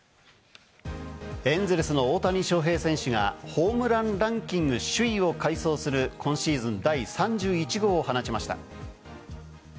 エンゼルスの大谷翔平選手がホームランランキング首位を快走する今シーズン第３１号を放ちました。